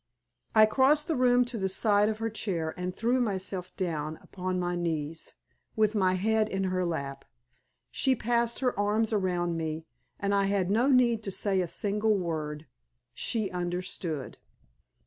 I crossed the room to the side of her chair and threw myself down upon my knees, with my head in her lap. She passed her arms around me, and I had no need to say a single word. She understood.